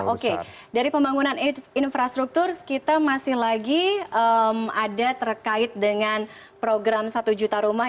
oke dari pembangunan infrastruktur kita masih lagi ada terkait dengan program satu juta rumah